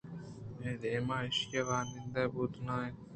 اے دمان ءَ ایشی ءِ واہُند ہُودءَ نہ اَت